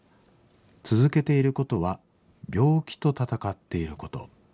「続けていることは病気と闘っていること。